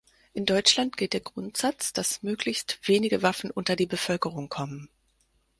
In Deutschland gilt der Grundsatz, dass möglichst wenige Waffen unter die Bevölkerung kommen.